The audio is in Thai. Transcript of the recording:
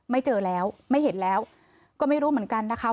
ไม่เจอแล้วไม่เห็นแล้วก็ไม่รู้เหมือนกันนะคะ